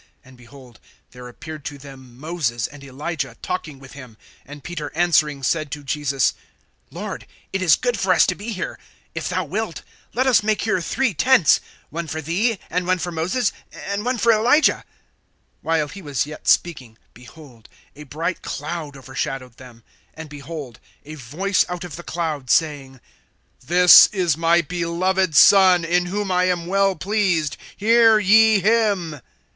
(3)And behold, there appeared to them Moses and Elijah, talking with him. (4)And Peter answering said to Jesus: Lord, it is good for us to be here. If thou wilt, let us make here three tents; one for thee, and one for Moses, and one for Elijah. (5)While he was yet speaking, behold, a bright cloud overshadowed them. And behold, a voice out of the cloud, saying: This is my beloved Son, in whom I am well pleased; hear ye him.